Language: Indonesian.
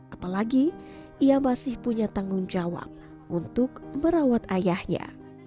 apalagi ia masih punya tanggung jawab untuk merawat ayahnya